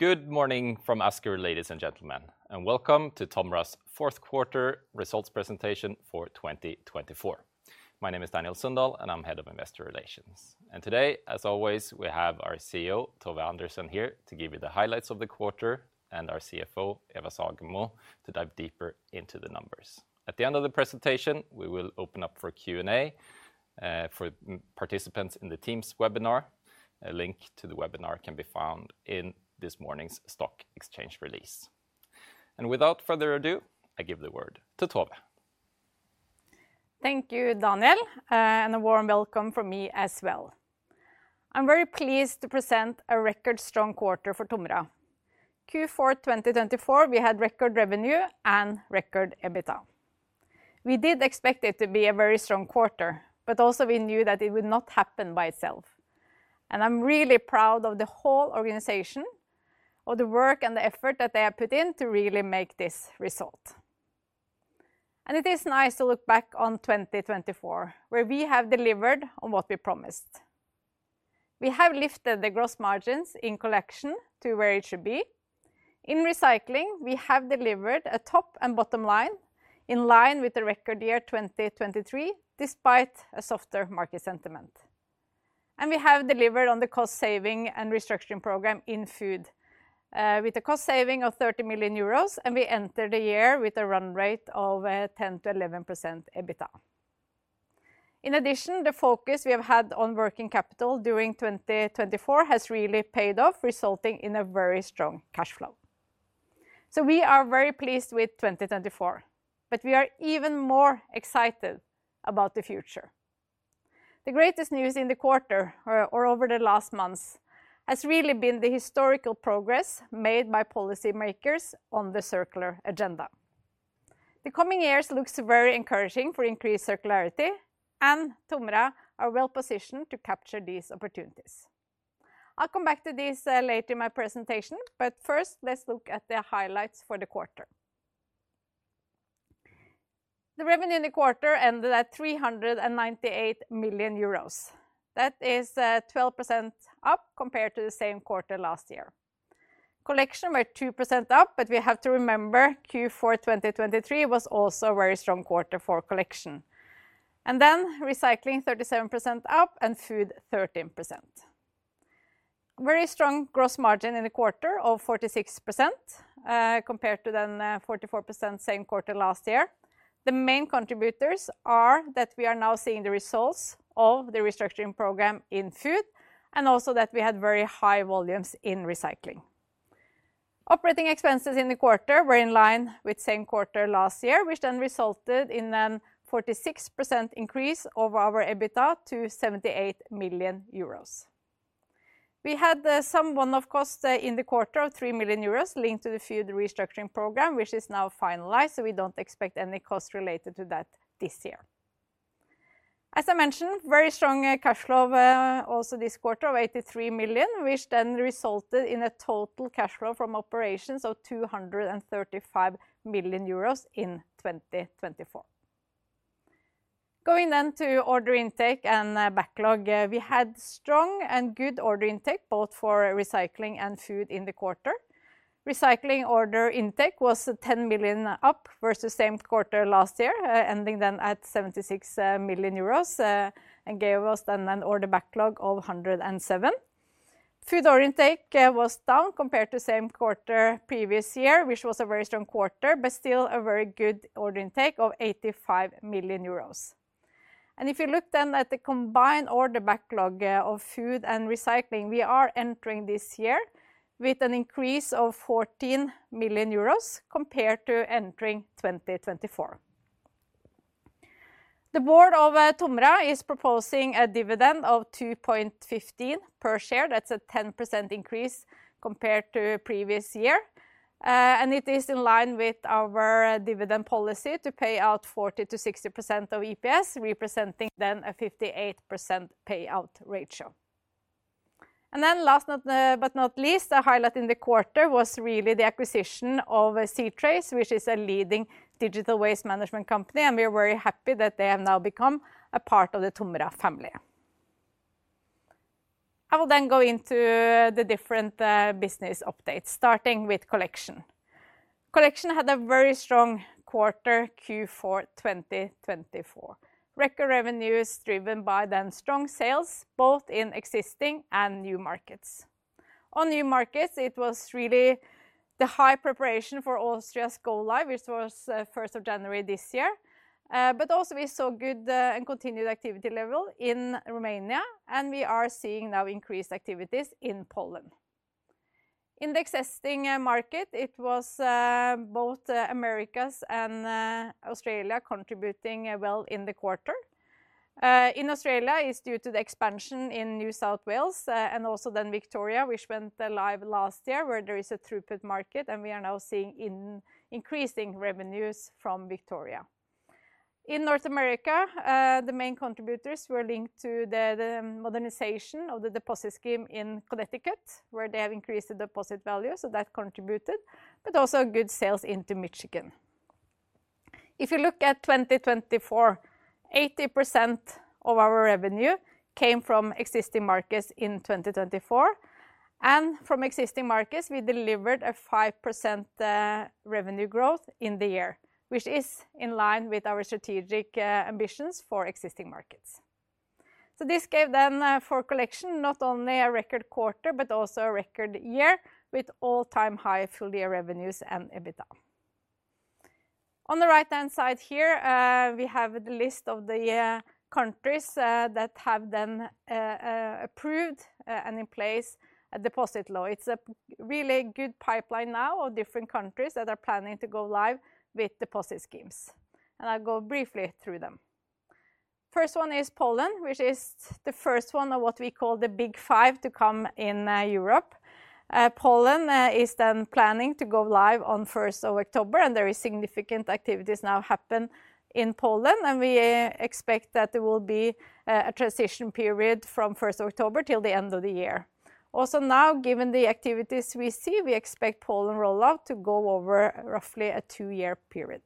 Good morning from Asker, ladies and gentlemen, and welcome to TOMRA's fourth quarter results presentation for 2024. My name is Daniel Sundahl, and I'm head of investor relations. Today, as always, we have our CEO, Tove Andersen, here to give you the highlights of the quarter, and our CFO, Eva Sagemo, to dive deeper into the numbers. At the end of the presentation, we will open up for Q&A for participants in the Teams webinar. A link to the webinar can be found in this morning's stock exchange release. Without further ado, I give the word to Tove. Thank you, Daniel, and a warm welcome from me as well. I'm very pleased to present a record-strong quarter for TOMRA. Q4 2024, we had record revenue and record EBITDA. We did expect it to be a very strong quarter, but also we knew that it would not happen by itself, and I'm really proud of the whole organization, of the work and the effort that they have put in to really make this result, and it is nice to look back on 2024, where we have delivered on what we promised. We have lifted the gross margins in collection to where it should be. In recycling, we have delivered a top and bottom line in line with the record year 2023, despite a softer market sentiment. We have delivered on the cost-saving and restructuring program in food, with a cost saving of 30 million euros, and we entered the year with a run rate of 10%-11% EBITDA. In addition, the focus we have had on working capital during 2024 has really paid off, resulting in a very strong cash flow. We are very pleased with 2024, but we are even more excited about the future. The greatest news in the quarter, or over the last months, has really been the historical progress made by policymakers on the circular agenda. The coming years look very encouraging for increased circularity, and TOMRA are well positioned to capture these opportunities. I'll come back to this later in my presentation, but first, let's look at the highlights for the quarter. The revenue in the quarter ended at 398 million euros. That is 12% up compared to the same quarter last year. Collection went 2% up, but we have to remember Q4 2023 was also a very strong quarter for collection, and then recycling 37% up and food 13%. Very strong gross margin in the quarter of 46% compared to then 44% same quarter last year. The main contributors are that we are now seeing the results of the restructuring program in food, and also that we had very high volumes in recycling. Operating expenses in the quarter were in line with same quarter last year, which then resulted in a 46% increase of our EBITDA to 78 million euros. We had some one-off costs in the quarter of 3 million euros linked to the food restructuring program, which is now finalized, so we don't expect any costs related to that this year. As I mentioned, very strong cash flow also this quarter of 83 million, which then resulted in a total cash flow from operations of 235 million euros in 2024. Going then to order intake and backlog, we had strong and good order intake both for recycling and food in the quarter. Recycling order intake was 10 million up versus same quarter last year, ending then at 76 million euros and gave us then an order backlog of 107. Food order intake was down compared to same quarter previous year, which was a very strong quarter, but still a very good order intake of 85 million euros, and if you look then at the combined order backlog of food and recycling, we are entering this year with an increase of 14 million euros compared to entering 2024. The board of TOMRA is proposing a dividend of 2.15 per share. That's a 10% increase compared to previous year, and it is in line with our dividend policy to pay out 40%-60% of EPS, representing then a 58% payout ratio, and then last but not least, a highlight in the quarter was really the acquisition of c-trace, which is a leading digital waste management company, and we are very happy that they have now become a part of the TOMRA family. I will then go into the different business updates, starting with collection. Collection had a very strong quarter Q4 2024. Record revenues driven by then strong sales both in existing and new markets. On new markets, it was really the high preparation for Austria's go-live, which was 1st of January this year, but also we saw good and continued activity level in Romania, and we are seeing now increased activities in Poland. the collection market, it was both Americas and Australia contributing well in the quarter. In Australia, it's due to the expansion in New South Wales and also then Victoria, which went live last year, where there is a throughput market, and we are now seeing increasing revenues from Victoria. In North America, the main contributors were linked to the modernization of the deposit scheme in Connecticut, where they have increased the deposit value, so that contributed, but also good sales into Michigan. If you look at 2024, 80% of our revenue came from existing markets in 2024, and from existing markets, we delivered a 5% revenue growth in the year, which is in line with our strategic ambitions for existing markets, so this gave then for collection not only a record quarter, but also a record year with all-time high full-year revenues and EBITDA. On the right-hand side here, we have the list of the countries that have then approved and in place a deposit law. It's a really good pipeline now of different countries that are planning to go live with deposit schemes, and I'll go briefly through them. First one is Poland, which is the first one of what we call the big five to come in Europe. Poland is then planning to go live on 1st of October, and there are significant activities now happening in Poland, and we expect that there will be a transition period from 1st of October till the end of the year. Also now, given the activities we see, we expect Poland rollout to go over roughly a two-year period.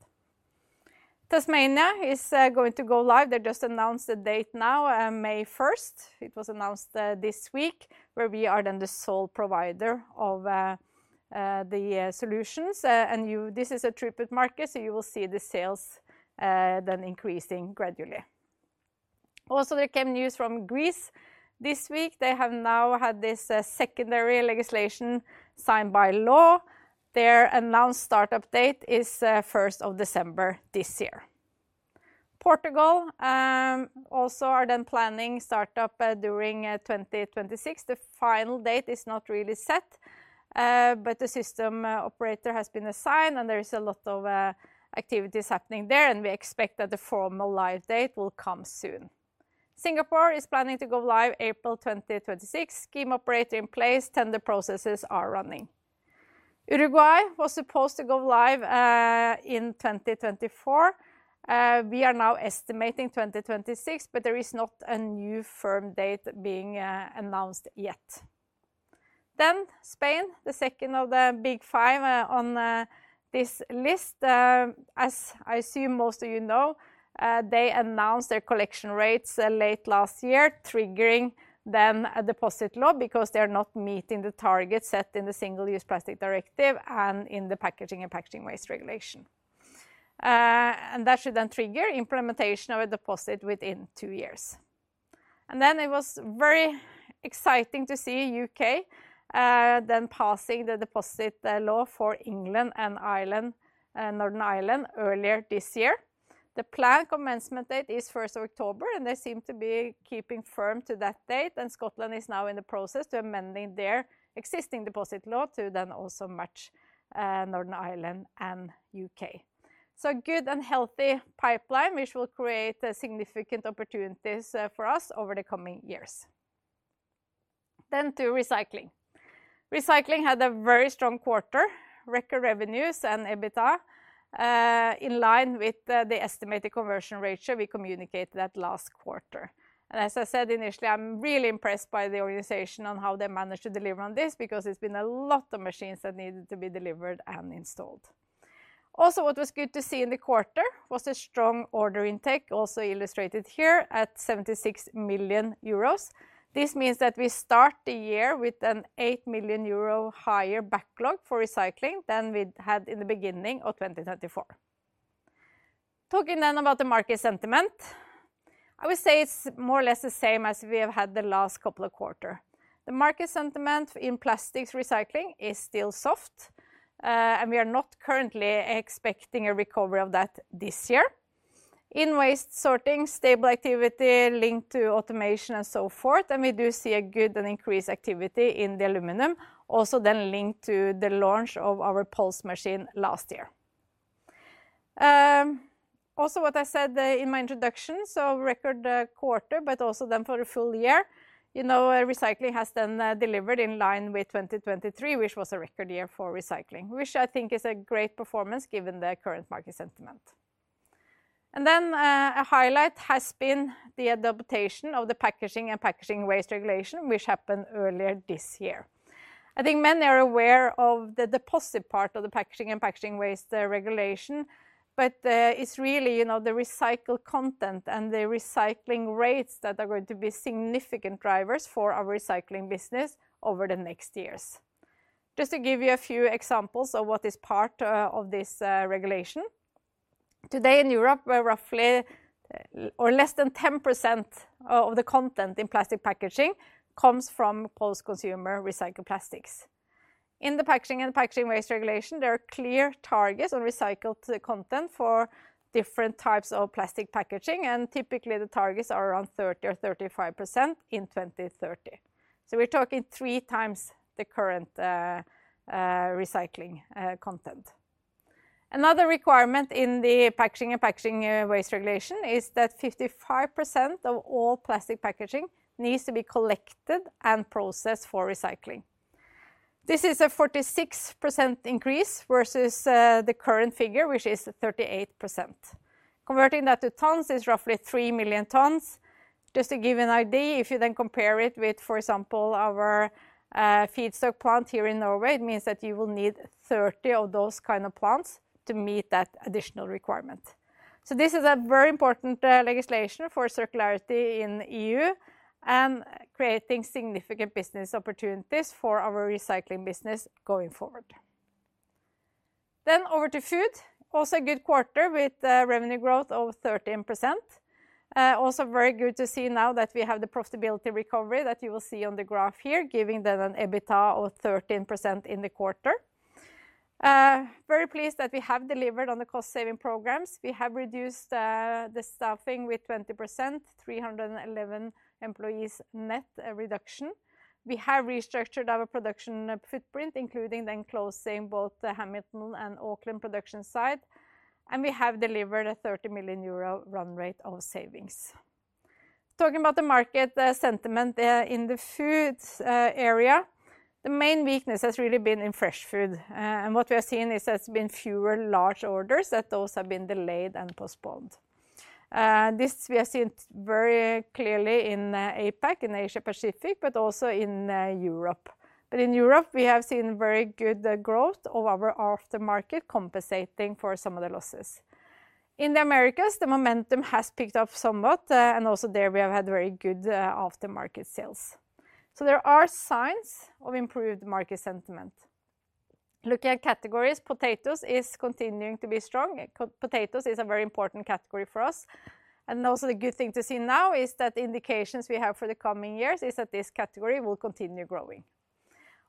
Tasmania is going to go live. They just announced the date now, May 1st. It was announced this week, where we are then the sole provider of the solutions. This is a throughput market, so you will see the sales then increasing gradually. Also there came news from Greece this week. They have now had this secondary legislation signed by law. Their announced startup date is 1st of December this year. Portugal also are then planning startup during 2026. The final date is not really set, but the system operator has been assigned, and there is a lot of activities happening there, and we expect that the formal live date will come soon. Singapore is planning to go live April 2026. Scheme operator in place. Tender processes are running. Uruguay was supposed to go live in 2024. We are now estimating 2026, but there is not a new firm date being announced yet. Then Spain, the second of the big five on this list. As I assume most of you know, they announced their collection rates late last year, triggering then a deposit law because they are not meeting the target set in the Single-Use Plastics Directive and in the Packaging and Packaging Waste Regulation. And that should then trigger implementation of a deposit within two years. And then it was very exciting to see U.K. then passing the deposit law for England and Northern Ireland earlier this year. The planned commencement date is 1st of October, and they seem to be keeping firm to that date. And Scotland is now in the process of amending their existing deposit law to then also match Northern Ireland and U.K. So a good and healthy pipeline, which will create significant opportunities for us over the coming years. Then to recycling. Recycling had a very strong quarter, record revenues and EBITDA in line with the estimated conversion ratio we communicated at last quarter. And as I said initially, I'm really impressed by the organization on how they managed to deliver on this because it's been a lot of machines that needed to be delivered and installed. Also what was good to see in the quarter was a strong order intake, also illustrated here at 76 million euros. This means that we start the year with an 8 million euro higher backlog for recycling than we had in the beginning of 2024. Talking then about the market sentiment, I would say it's more or less the same as we have had the last couple of quarters. The market sentiment in plastics recycling is still soft, and we are not currently expecting a recovery of that this year. In waste sorting, stable activity linked to automation and so forth, and we do see a good and increased activity in the aluminum, also then linked to the launch of our Pulse machine last year. Also what I said in my introduction, so record quarter, but also then for the full year, you know recycling has then delivered in line with 2023, which was a record year for recycling, which I think is a great performance given the current market sentiment. And then a highlight has been the adoption of the Packaging and Packaging Waste Regulation, which happened earlier this year. I think many are aware of the deposit part of the Packaging and Packaging Waste Regulation, but it's really you know the recycled content and the recycling rates that are going to be significant drivers for our recycling business over the next years. Just to give you a few examples of what is part of this regulation. Today in Europe, roughly or less than 10% of the content in plastic packaging comes from post-consumer recycled plastics. In the Packaging and Packaging Waste Regulation, there are clear targets on recycled content for different types of plastic packaging, and typically the targets are around 30% or 35% in 2030. So we're talking three times the current recycling content. Another requirement in the Packaging and Packaging Waste Regulation is that 55% of all plastic packaging needs to be collected and processed for recycling. This is a 46% increase versus the current figure, which is 38%. Converting that to tons is roughly 3 million tons. Just to give you an idea, if you then compare it with, for example, our feedstock plant here in Norway, it means that you will need 30 of those kind of plants to meet that additional requirement. So this is a very important legislation for circularity in the EU and creating significant business opportunities for our recycling business going forward. Then over to food, also a good quarter with revenue growth of 13%. Also very good to see now that we have the profitability recovery that you will see on the graph here, giving then an EBITDA of 13% in the quarter. Very pleased that we have delivered on the cost-saving programs. We have reduced the staffing with 20%, 311 employees net reduction. We have restructured our production footprint, including then closing both the Hamilton and Auckland production site. And we have delivered a 30 million euro run rate of savings. Talking about the market sentiment in the food area, the main weakness has really been in fresh food. And what we have seen is there's been fewer large orders, that those have been delayed and postponed. This we have seen very clearly in APAC, in Asia-Pacific, but also in Europe. But in Europe, we have seen very good growth of our aftermarket compensating for some of the losses. In the Americas, the momentum has picked up somewhat, and also there we have had very good aftermarket sales. So there are signs of improved market sentiment. Looking at categories, potatoes is continuing to be strong. Potatoes is a very important category for us. And also the good thing to see now is that indications we have for the coming years is that this category will continue growing.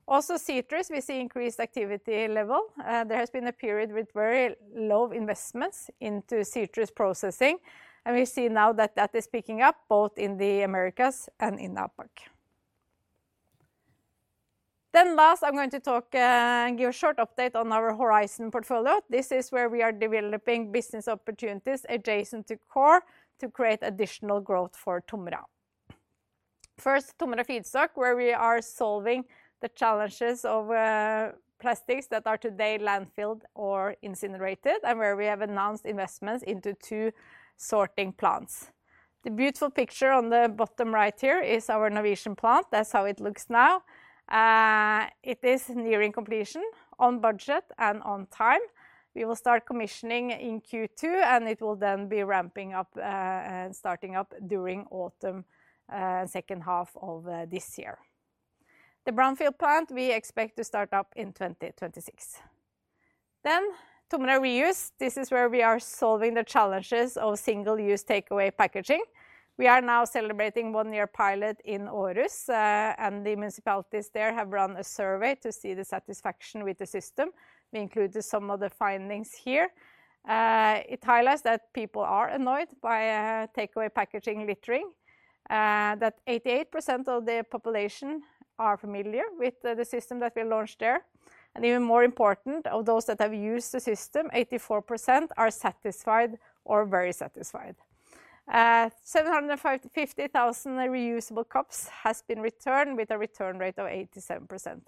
Also citrus, we see increased activity level. There has been a period with very low investments into citrus processing, and we see now that that is picking up both in the Americas and in APAC. Last, I'm going to talk and give a short update on our Horizon portfolio. This is where we are developing business opportunities adjacent to core to create additional growth for TOMRA. First, TOMRA Feedstock, where we are solving the challenges of plastics that are today landfilled or incinerated, and where we have announced investments into two sorting plants. The beautiful picture on the bottom right here is our Norwegian plant. That's how it looks now. It is nearing completion on budget and on time. We will start commissioning in Q2, and it will then be ramping up and starting up during autumn, second half of this year. The brownfield plant we expect to start up in 2026. Then TOMRA Reuse. This is where we are solving the challenges of single-use takeaway packaging. We are now celebrating one-year pilot in Aarhus, and the municipalities there have run a survey to see the satisfaction with the system. We included some of the findings here. It highlights that people are annoyed by takeaway packaging littering, that 88% of the population are familiar with the system that we launched there, and even more important, of those that have used the system, 84% are satisfied or very satisfied. 750,000 reusable cups has been returned with a return rate of 87%, so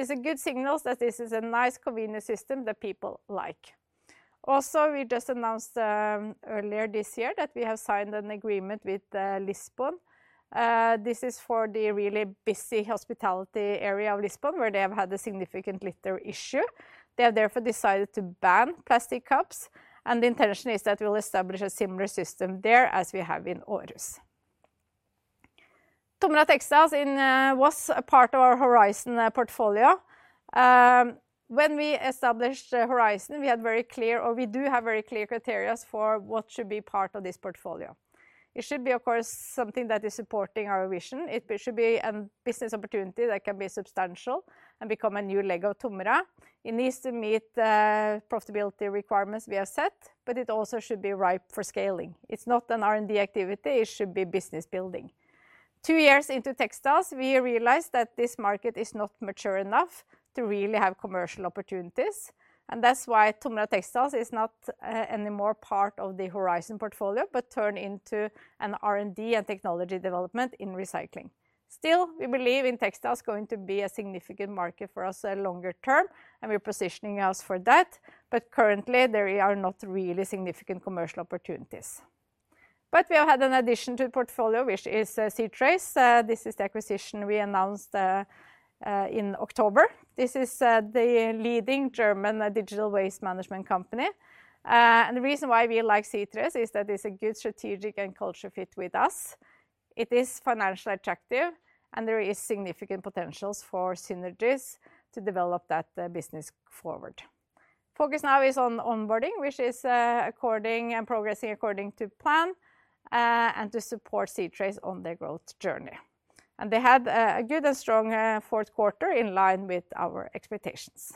it's a good signal that this is a nice convenient system that people like. Also, we just announced earlier this year that we have signed an agreement with Lisbon. This is for the really busy hospitality area of Lisbon, where they have had a significant litter issue. They have therefore decided to ban plastic cups, and the intention is that we'll establish a similar system there as we have in Aarhus. TOMRA Textiles was a part of our Horizon portfolio. When we established Horizon, we had very clear, or we do have very clear criteria for what should be part of this portfolio. It should be, of course, something that is supporting our vision. It should be a business opportunity that can be substantial and become a new leg of TOMRA. It needs to meet profitability requirements we have set, but it also should be ripe for scaling. It's not an R&D activity. It should be business building. Two years into textiles, we realized that this market is not mature enough to really have commercial opportunities. That's why TOMRA Textiles is not anymore part of the Horizon portfolio, but turned into an R&D and technology development in recycling. Still, we believe in textiles going to be a significant market for us in the longer term, and we're positioning us for that. But currently, there are not really significant commercial opportunities. But we have had an addition to the portfolio, which is c-trace. This is the acquisition we announced in October. This is the leading German digital waste management company. And the reason why we like c-trace is that it's a good strategic and cultural fit with us. It is financially attractive, and there are significant potentials for synergies to develop that business forward. Focus now is on onboarding, which is according and progressing according to plan and to support c-trace on their growth journey. They had a good and strong fourth quarter in line with our expectations.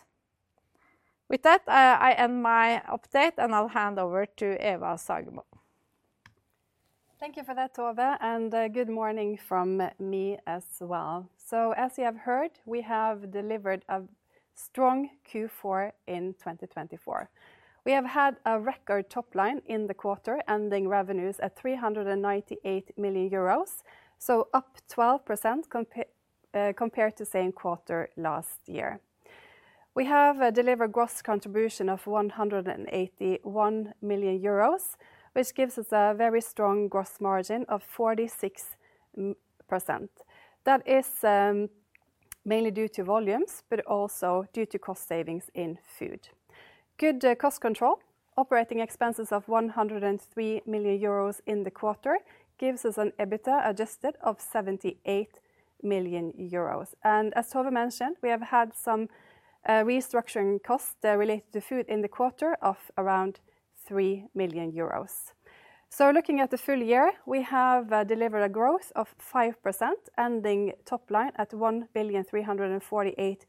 With that, I end my update, and I'll hand over to Eva Sagemo. Thank you for that, Tove, and good morning from me as well. As you have heard, we have delivered a strong Q4 in 2024. We have had a record top line in the quarter, ending revenues at 398 million euros, so up 12% compared to the same quarter last year. We have delivered a gross contribution of 181 million euros, which gives us a very strong gross margin of 46%. That is mainly due to volumes, but also due to cost savings in food. Good cost control, operating expenses of 103 million euros in the quarter gives us an EBITDA adjusted of 78 million euros. As Tove mentioned, we have had some restructuring costs related to food in the quarter of around 3 million euros. Looking at the full year, we have delivered a growth of 5%, ending top line at 1,348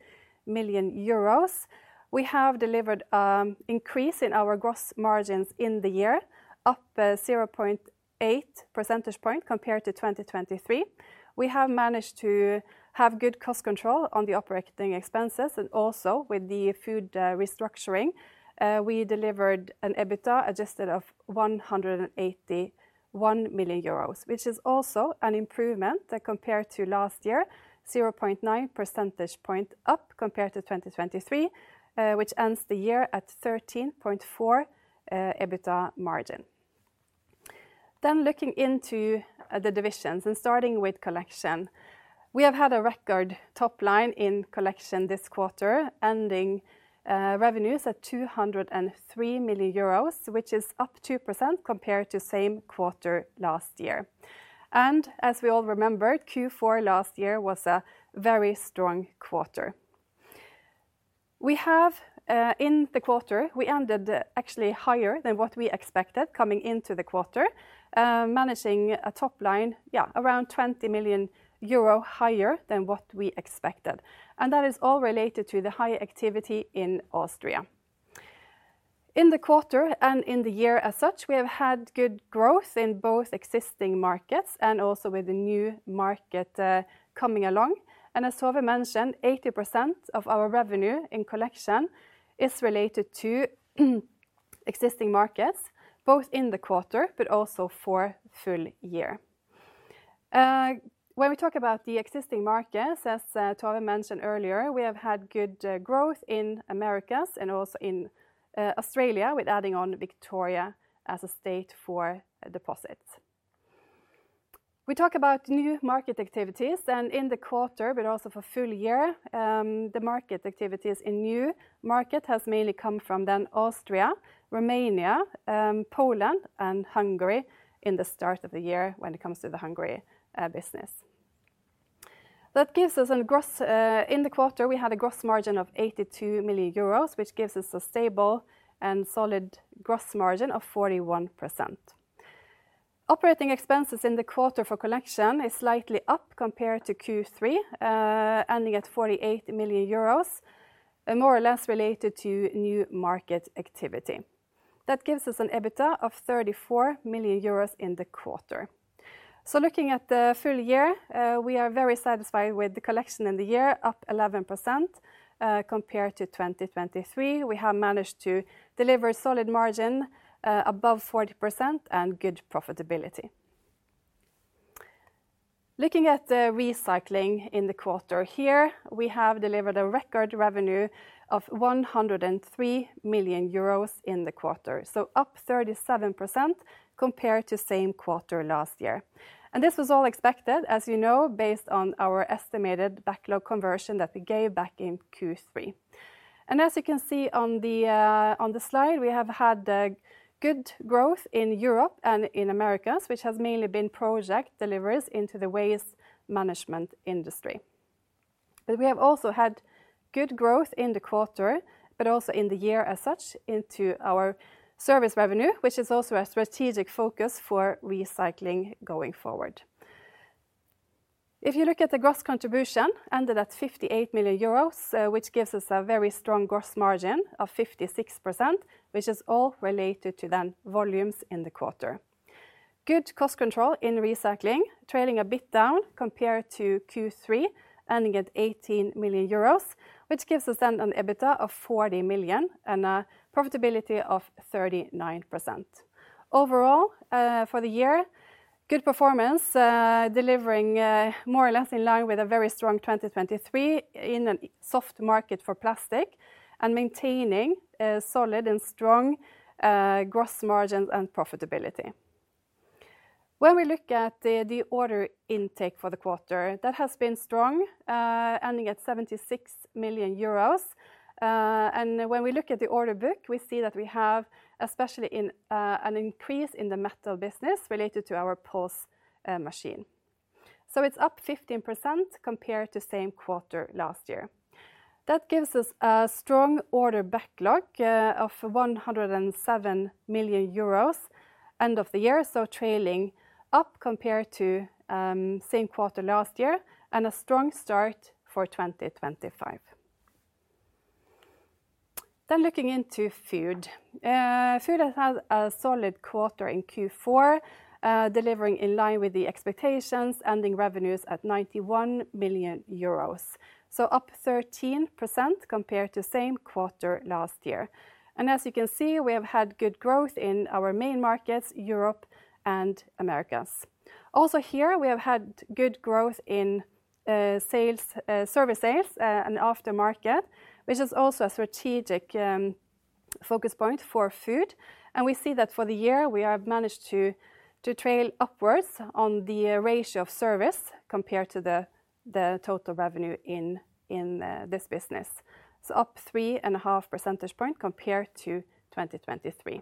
million euros. We have delivered an increase in our gross margins in the year, up 0.8 percentage points compared to 2023. We have managed to have good cost control on the operating expenses. And also with the food restructuring, we delivered an EBITDA adjusted of 181 million euros, which is also an improvement compared to last year, 0.9 percentage points up compared to 2023, which ends the year at 13.4% EBITDA margin. Looking into the divisions and starting with collection, we have had a record top line in collection this quarter, ending revenues at 203 million euros, which is up 2% compared to the same quarter last year. As we all remember, Q4 last year was a very strong quarter. In the quarter, we ended actually higher than what we expected coming into the quarter, managing a top line, yeah, around 20 million euro higher than what we expected, and that is all related to the high activity in Austria. In the quarter and in the year as such, we have had good growth in both existing markets and also with the new market coming along, and as Tove mentioned, 80% of our revenue in collection is related to existing markets, both in the quarter, but also for the full year. When we talk about the existing markets, as Tove mentioned earlier, we have had good growth in the Americas and also in Australia, with adding on Victoria as a state for deposits. We talk about new market activities, and in the quarter, but also for the full year, the market activities in new markets have mainly come from then Austria, Romania, Poland, and Hungary in the start of the year when it comes to the Hungary business. That gives us growth in the quarter. We had a gross margin of 82 million euros, which gives us a stable and solid gross margin of 41%. Operating expenses in the quarter for collection are slightly up compared to Q3, ending at 48 million euros, more or less related to new market activity. That gives us an EBITDA of 34 million euros in the quarter. So looking at the full year, we are very satisfied with the collection in the year, up 11% compared to 2023. We have managed to deliver a solid margin above 40% and good profitability. Looking at the recycling in the quarter here, we have delivered a record revenue of 103 million euros in the quarter, so up 37% compared to the same quarter last year. And this was all expected, as you know, based on our estimated backlog conversion that we gave back in Q3. And as you can see on the slide, we have had good growth in Europe and in the Americas, which has mainly been project deliveries into the waste management industry. But we have also had good growth in the quarter, but also in the year as such, into our service revenue, which is also a strategic focus for recycling going forward. If you look at the gross contribution ended at 58 million euros, which gives us a very strong gross margin of 56%, which is all related to then volumes in the quarter. Good cost control in recycling, trailing a bit down compared to Q3, ending at 18 million euros, which gives us then an EBITDA of 40 million and a profitability of 39%. Overall, for the year, good performance, delivering more or less in line with a very strong 2023 in a soft market for plastic and maintaining solid and strong gross margins and profitability. When we look at the order intake for the quarter, that has been strong, ending at 76 million euros, and when we look at the order book, we see that we have especially an increase in the metal business related to our pulse machine. So it's up 15% compared to the same quarter last year. That gives us a strong order backlog of 107 million euros end of the year, so trailing up compared to the same quarter last year and a strong start for 2025. Looking into food, food has had a solid quarter in Q4, delivering in line with the expectations, ending revenues at 91 million euros, so up 13% compared to the same quarter last year. As you can see, we have had good growth in our main markets, Europe and Americas. Here, we have had good growth in service sales and aftermarket, which is also a strategic focus point for food. We see that for the year, we have managed to tilt upwards on the ratio of service compared to the total revenue in this business, so up 3.5 percentage points compared to 2023.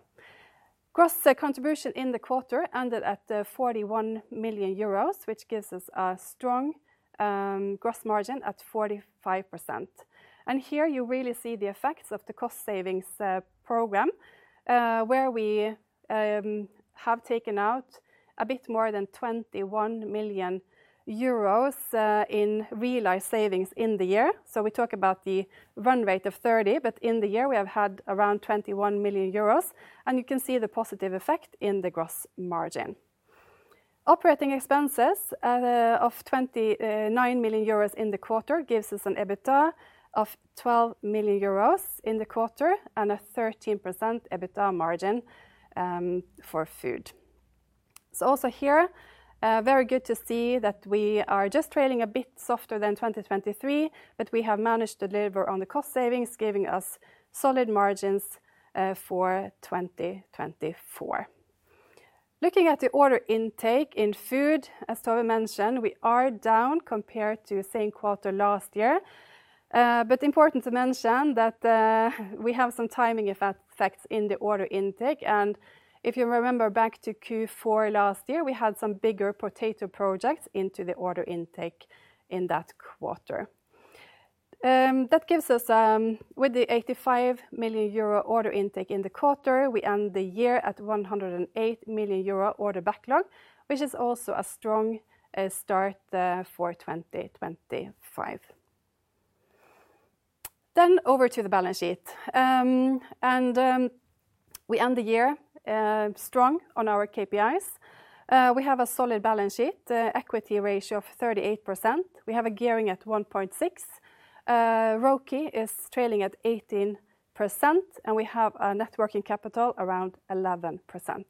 Gross contribution in the quarter ended at 41 million euros, which gives us a strong gross margin at 45%. Here you really see the effects of the cost savings program, where we have taken out a bit more than 21 million euros in realized savings in the year. We talk about the run rate of 30, but in the year we have had around 21 million euros. You can see the positive effect in the gross margin. Operating expenses of 29 million euros in the quarter gives us an EBITDA of 12 million euros in the quarter and a 13% EBITDA margin for food. Also here, very good to see that we are just trailing a bit softer than 2023, but we have managed to deliver on the cost savings, giving us solid margins for 2024. Looking at the order intake in food, as Tove mentioned, we are down compared to the same quarter last year. But important to mention that we have some timing effects in the order intake. And if you remember back to Q4 last year, we had some bigger potato projects into the order intake in that quarter. That gives us, with the 85 million euro order intake in the quarter, we end the year at 108 million euro order backlog, which is also a strong start for 2025. Then over to the balance sheet. And we end the year strong on our KPIs. We have a solid balance sheet, equity ratio of 38%. We have a gearing at 1.6. Roki is trailing at 18%, and we have a net working capital around 11%.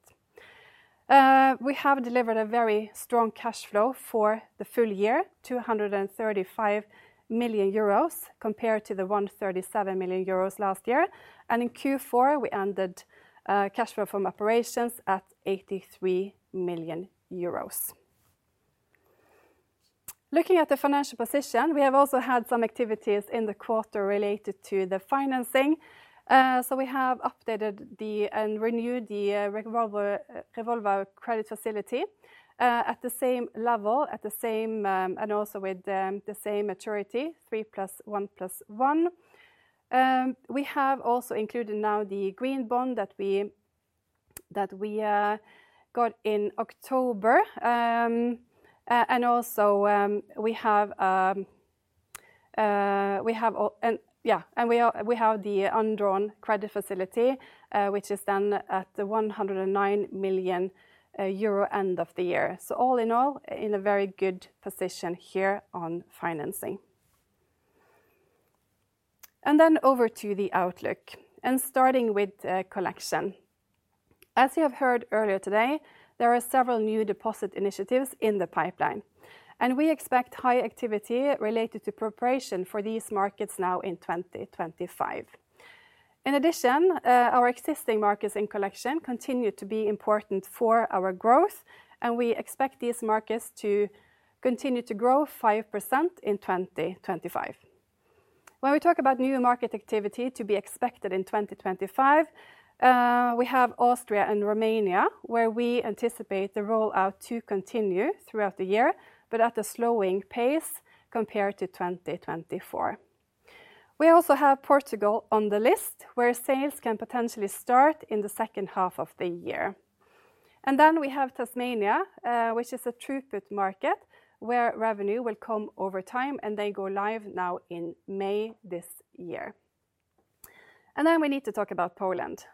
We have delivered a very strong cash flow for the full year, 235 million euros compared to the 137 million euros last year. And in Q4, we ended cash flow from operations at 83 million euros. Looking at the financial position, we have also had some activities in the quarter related to the financing. So we have updated and renewed the Revolver Credit Facility at the same level, at the same and also with the same maturity, 3 plus 1 plus 1. We have also included now the green bond that we got in October. And also we have the undrawn credit facility, which is then at the 109 million euro, end of the year. So all in all, in a very good position here on financing. And then over to the outlook, and starting with collection. As you have heard earlier today, there are several new deposit initiatives in the pipeline, and we expect high activity related to preparation for these markets now in 2025. In addition, our existing markets in collection continue to be important for our growth, and we expect these markets to continue to grow 5% in 2025. When we talk about new market activity to be expected in 2025, we have Austria and Romania, where we anticipate the rollout to continue throughout the year, but at a slowing pace compared to 2024. We also have Portugal on the list, where sales can potentially start in the second half of the year. And then we have Tasmania, which is a throughput market where revenue will come over time, and they go live now in May this year. And then we need to talk about Poland.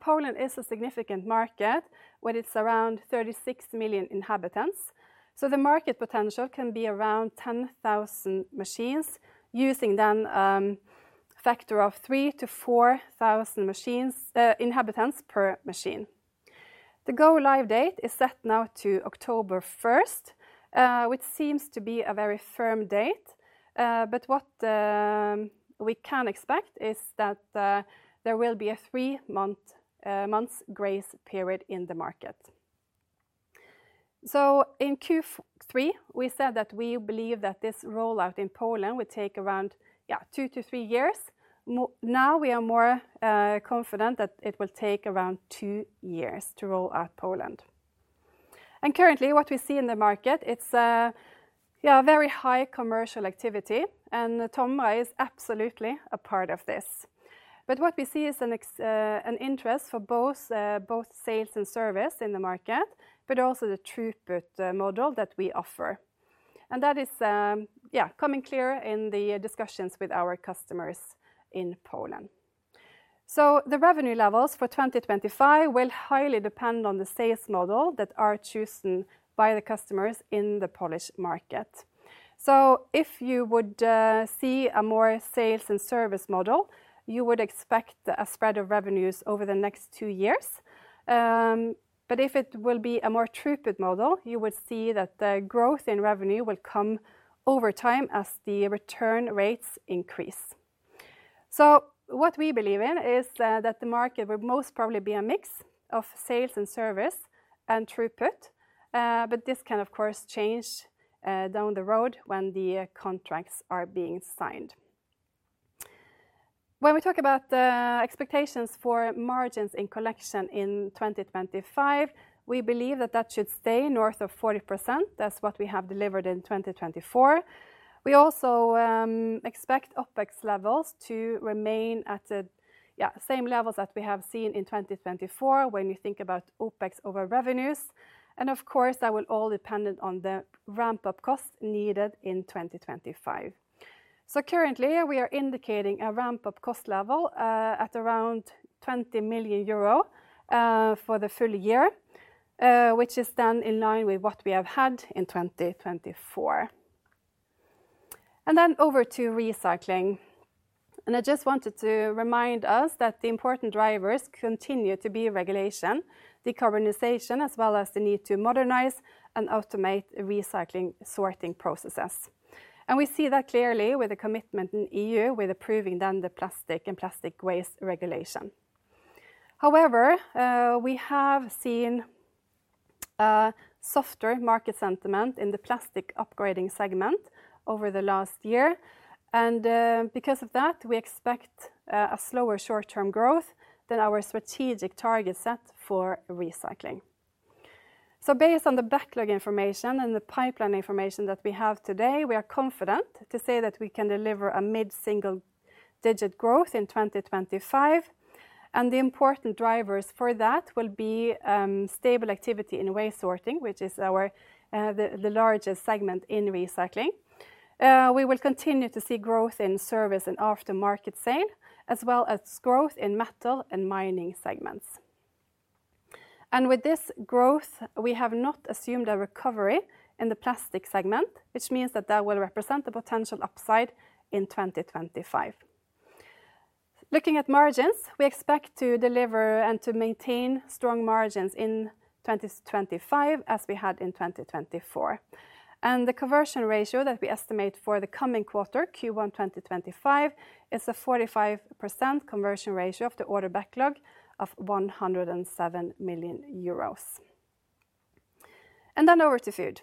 Poland is a significant market with it's around 36 million inhabitants. So the market potential can be around 10,000 machines, using then a factor of 3,000-4,000 inhabitants per machine. The go-live date is set now to October 1st, which seems to be a very firm date. But what we can expect is that there will be a three-month grace period in the market. So in Q3, we said that we believe that this rollout in Poland would take around, yeah, two to three years. Now we are more confident that it will take around two years to rollout Poland. And currently, what we see in the market, it's a, yeah, very high commercial activity, and TOMRA is absolutely a part of this. But what we see is an interest for both sales and service in the market, but also the throughput model that we offer. And that is, yeah, coming clear in the discussions with our customers in Poland. So the revenue levels for 2025 will highly depend on the sales model that are chosen by the customers in the Polish market. So if you would see a more sales and service model, you would expect a spread of revenues over the next two years. But if it will be a more throughput model, you would see that the growth in revenue will come over time as the return rates increase. So what we believe in is that the market will most probably be a mix of sales and service and throughput. But this can, of course, change down the road when the contracts are being signed. When we talk about expectations for margins in collection in 2025, we believe that that should stay north of 40%. That's what we have delivered in 2024. We also expect OPEX levels to remain at the yeah same levels that we have seen in 2024 when you think about OPEX over revenues. And of course, that will all depend on the ramp-up cost needed in 2025. So currently, we are indicating a ramp-up cost level at around 20 million euro for the full year, which is then in line with what we have had in 2024. And then over to recycling. And I just wanted to remind us that the important drivers continue to be regulation, decarbonization, as well as the need to modernize and automate recycling sorting processes. And we see that clearly with the commitment in the EU with approving then the plastics and packaging waste regulation. However, we have seen softer market sentiment in the plastic upgrading segment over the last year. Because of that, we expect a slower short-term growth than our strategic target set for recycling. Based on the backlog information and the pipeline information that we have today, we are confident to say that we can deliver a mid-single-digit growth in 2025. The important drivers for that will be stable activity in waste sorting, which is our largest segment in recycling. We will continue to see growth in service and aftermarket sales, as well as growth in metal and mining segments. With this growth, we have not assumed a recovery in the plastic segment, which means that that will represent a potential upside in 2025. Looking at margins, we expect to deliver and to maintain strong margins in 2025 as we had in 2024. The conversion ratio that we estimate for the coming quarter, Q1 2025, is a 45% conversion ratio of the order backlog of 107 million euros. Then over to food.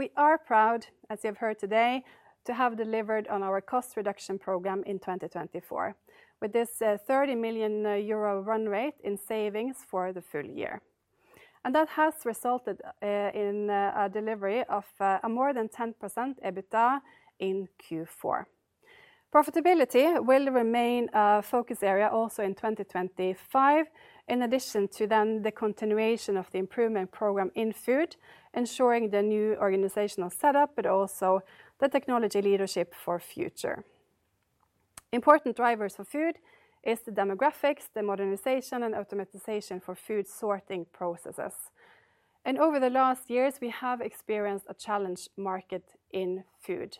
We are proud, as you have heard today, to have delivered on our cost reduction program in 2024, with this 30 million euro run rate in savings for the full year. That has resulted in a delivery of a more than 10% EBITDA in Q4. Profitability will remain a focus area also in 2025, in addition to then the continuation of the improvement program in food, ensuring the new organizational setup, but also the technology leadership for future. Important drivers for food are the demographics, the modernization and automation for food sorting processes. Over the last years, we have experienced a challenging market in food.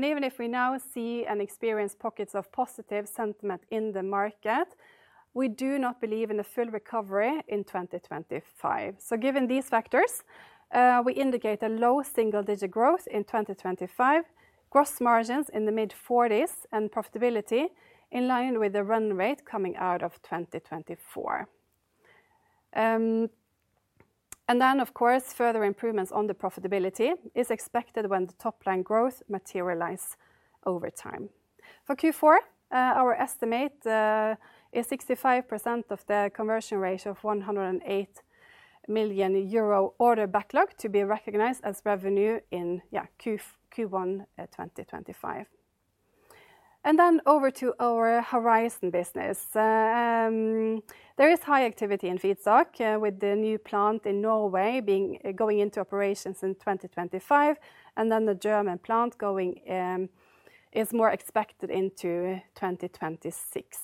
Even if we now see and experience pockets of positive sentiment in the market, we do not believe in a full recovery in 2025. Given these factors, we indicate a low single-digit growth in 2025, gross margins in the mid-40s, and profitability in line with the run rate coming out of 2024. Then, of course, further improvements on the profitability are expected when the top-line growth materializes over time. For Q4, our estimate is 65% of the conversion ratio of 108 million euro order backlog to be recognized as revenue in Q1 2025. Then over to our Horizon business. There is high activity in Feedstock with the new plant in Norway going into operations in 2025, and then the German plant going is more expected into 2026.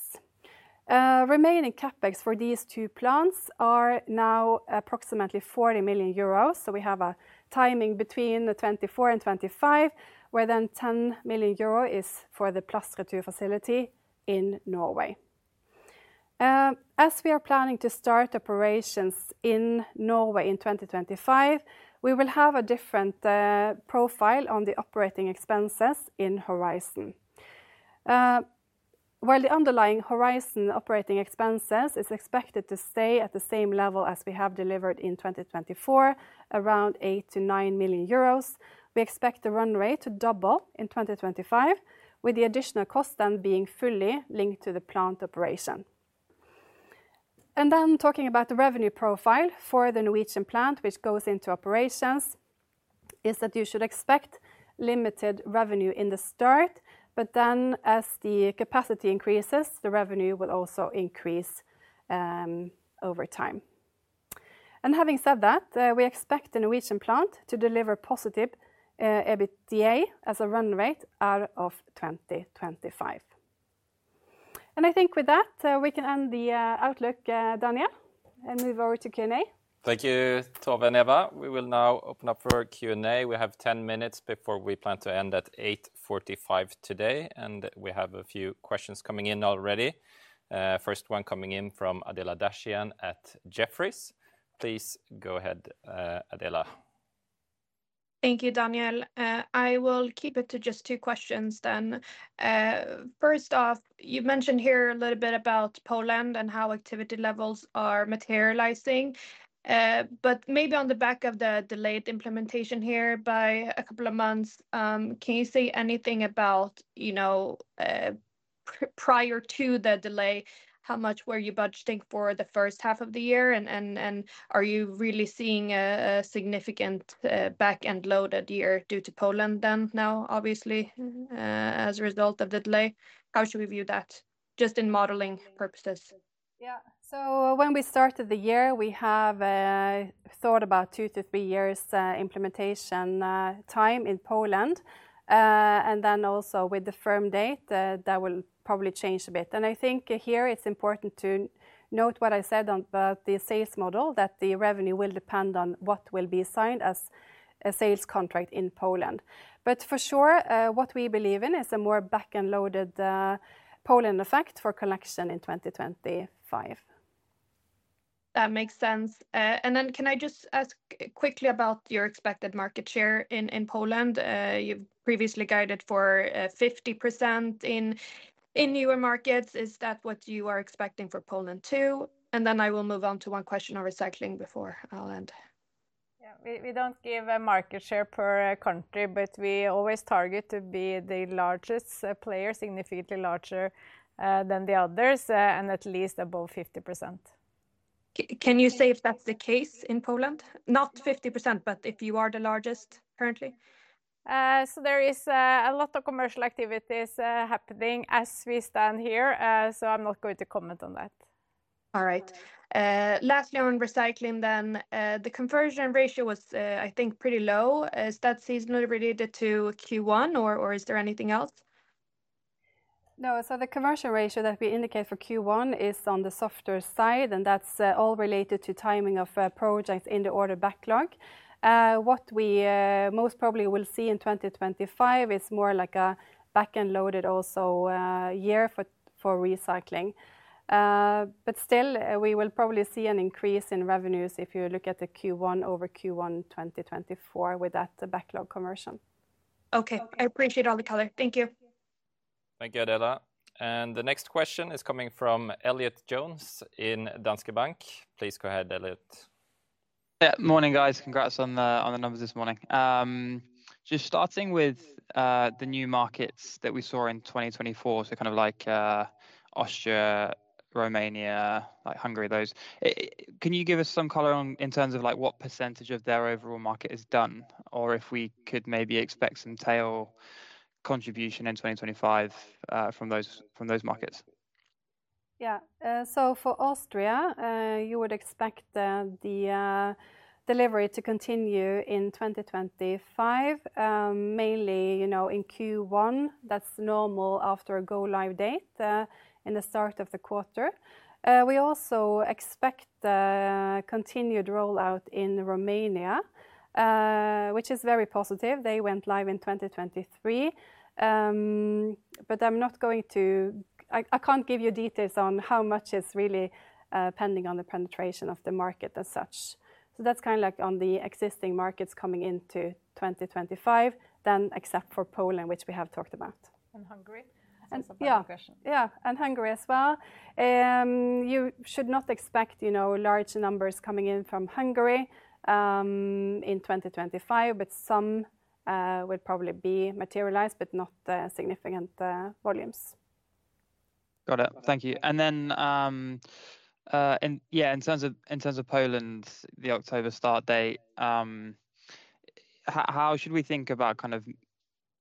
Remaining CapEx for these two plants are now approximately 40 million euros. We have a timing between 2024 and 2025, where then 10 million euro is for the Plastretur facility in Norway. As we are planning to start operations in Norway in 2025, we will have a different profile on the operating expenses in Horizon. While the underlying Horizon operating expenses are expected to stay at the same level as we have delivered in 2024, around 8 - 9 million euros, we expect the run rate to double in 2025, with the additional cost then being fully linked to the plant operation. And then talking about the revenue profile for the Norwegian plant, which goes into operations, is that you should expect limited revenue in the start, but then as the capacity increases, the revenue will also increase over time. And having said that, we expect the Norwegian plant to deliver positive EBITDA as a run rate out of 2025. I think with that, we can end the outlook, Daniel, and move over to Q&A. Thank you, Tove and Eva. We will now open up for Q&A. We have 10 minutes before we plan to end at 8:45 A.M. today, and we have a few questions coming in already. First one coming in from Adela Dashian at Jefferies. Please go ahead, Adela. Thank you, Daniel. I will keep it to just two questions then. First off, you mentioned here a little bit about Poland and how activity levels are materializing. But maybe on the back of the delayed implementation here by a couple of months, can you say anything about, you know, prior to the delay, how much were you budgeting for the first half of the year? Are you really seeing a significant back-end load that year due to Poland then now, obviously, as a result of the delay? How should we view that just in modeling purposes? Yeah, so when we started the year, we have thought about two to three years implementation time in Poland. And then also with the firm date, that will probably change a bit. And I think here it's important to note what I said about the sales model, that the revenue will depend on what will be signed as a sales contract in Poland. But for sure, what we believe in is a more back-end loaded Poland effect for collection in 2025. That makes sense. Can I just ask quickly about your expected market share in Poland? You previously guided for 50% in newer markets. Is that what you are expecting for Poland too? I will move on to one question on recycling before I'll end. Yeah, we don't give a market share per country, but we always target to be the largest player, significantly larger than the others, and at least above 50%. Can you say if that's the case in Poland? Not 50%, but if you are the largest currently? There is a lot of commercial activities happening as we stand here, so I'm not going to comment on that. All right. Lastly on recycling then, the conversion ratio was, I think, pretty low. Is that seasonally related to Q1 or is there anything else? No, the conversion ratio that we indicate for Q1 is on the softer side, and that's all related to timing of projects in the order backlog. What we most probably will see in 2025 is more like a back-end loaded also year for recycling. But still, we will probably see an increase in revenues if you look at the Q1 over Q1 2024 with that backlog conversion. Okay, I appreciate all the color. Thank you. Thank you, Adela. And the next question is coming from Elliott Jones in Danske Bank. Please go ahead, Elliott. Morning, guys. Congrats on the numbers this morning. Just starting with the new markets that we saw in 2024, so kind of like Austria, Romania, Hungary, those. Can you give us some color in terms of like what percentage of their overall market is done, or if we could maybe expect some tail contribution in 2025 from those markets? Yeah, so for Austria, you would expect the delivery to continue in 2025, mainly, you know, in Q1. That's normal after a go-live date in the start of the quarter. We also expect continued rollout in Romania, which is very positive. They went live in 2023. But I'm not going to, I can't give you details on how much is really pending on the penetration of the market as such. So that's kind of like on the existing markets coming into 2025, then except for Poland, which we have talked about. And Hungary. And Hungary as well. You should not expect, you know, large numbers coming in from Hungary in 2025, but some would probably be materialized, but not significant volumes. Got it. Thank you. And then, yeah, in terms of Poland, the October start date, how should we think about kind of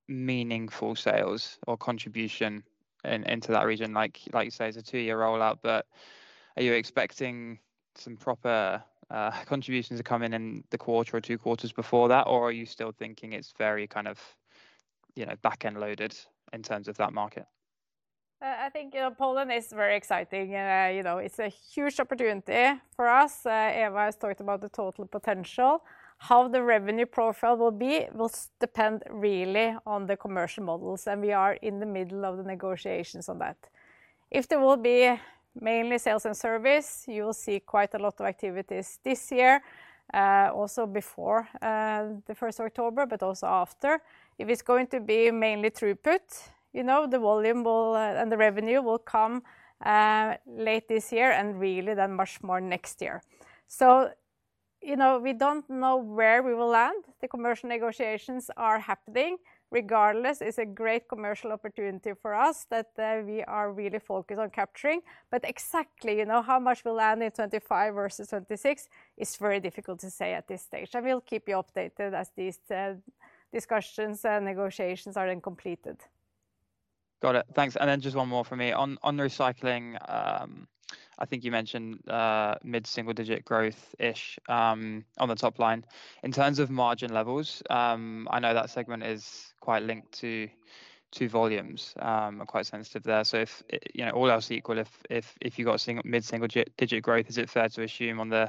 meaningful sales or contribution into that region? Like you say, it's a two-year rollout, but are you expecting some proper contributions to come in in the quarter or two quarters before that, or are you still thinking it's very kind of, you know, back-end loaded in terms of that market? I think Poland is very exciting. You know, it's a huge opportunity for us. Eva has talked about the total potential. How the revenue profile will be will depend really on the commercial models, and we are in the middle of the negotiations on that. If there will be mainly sales and service, you will see quite a lot of activities this year, also before the 1st of October, but also after. If it's going to be mainly throughput, you know, the volume and the revenue will come late this year and really then much more next year. You know, we don't know where we will land. The commercial negotiations are happening regardless. It's a great commercial opportunity for us that we are really focused on capturing. Exactly, you know, how much will land in 2025 versus 2026 is very difficult to say at this stage. We'll keep you updated as these discussions and negotiations are then completed. Got it. Thanks. Just one more for me. On recycling, I think you mentioned mid-single-digit growth-ish on the top line. In terms of margin levels, I know that segment is quite linked to volumes and quite sensitive there. If, you know, all else equal, if you've got mid-single-digit growth, is it fair to assume on the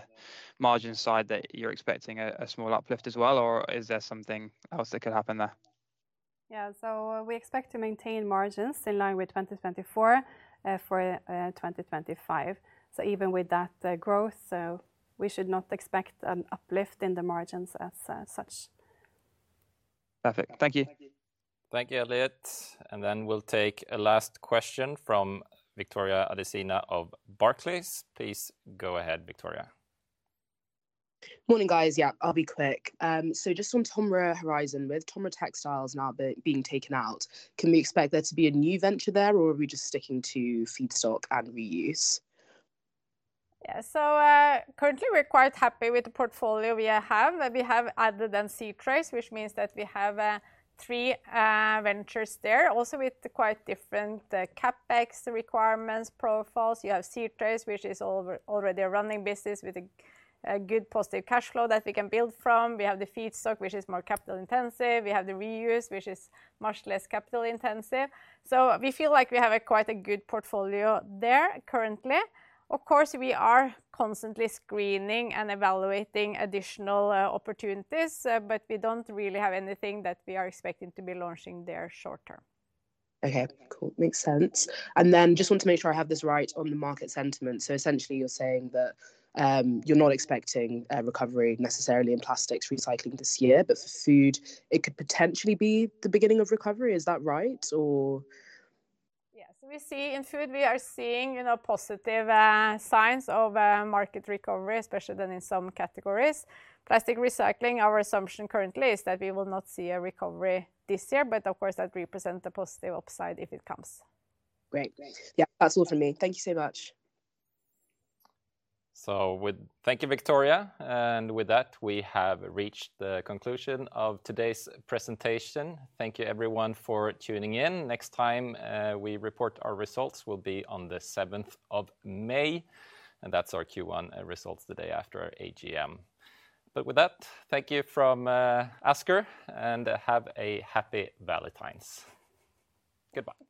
margin side that you're expecting a small uplift as well, or is there something else that could happen there? Yeah, so we expect to maintain margins in line with 2024 for 2025. So even with that growth, we should not expect an uplift in the margins as such. Perfect. Thank you. Thank you, Elliott. And then we'll take a last question from Victoria Adesina of Barclays. Please go ahead, Victoria. Morning, guys. Yeah, I'll be quick. So just on TOMRA Horizon, with TOMRA Textiles now being taken out, can we expect there to be a new venture there, or are we just sticking to feedstock and reuse? Yeah, so currently we're quite happy with the portfolio we have. We have added then c-trace, which means that we have three ventures there, also with quite different CapEx requirements profiles. You have c-trace, which is already a running business with a good positive cash flow that we can build from. We have the feedstock, which is more capital intensive. We have the reuse, which is much less capital intensive, so we feel like we have quite a good portfolio there currently. Of course, we are constantly screening and evaluating additional opportunities, but we don't really have anything that we are expecting to be launching there short term. Okay, cool. Makes sense, and then just want to make sure I have this right on the market sentiment, so essentially you're saying that you're not expecting a recovery necessarily in plastics recycling this year, but for food, it could potentially be the beginning of recovery. Is that right? Yeah, so we see in food, we are seeing, you know, positive signs of market recovery, especially then in some categories. Plastic recycling, our assumption currently is that we will not see a recovery this year, but of course that represents a positive upside if it comes. Great. Yeah, that's all from me. Thank you so much. So with, thank you, Victoria. And with that, we have reached the conclusion of today's presentation. Thank you, everyone, for tuning in. Next time we report our results will be on the 7th of May, and that's our Q1 results the day after 8:00 A.M. But with that, thank you from Asker, and have a happy Valentine's. Goodbye.